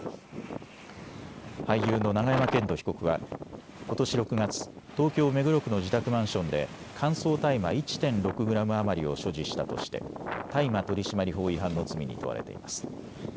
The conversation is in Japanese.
俳優の永山絢斗被告はことし６月、東京目黒区の自宅マンションで乾燥大麻１．６グラム余りを所持したとして大麻取締法違反の罪に問われています。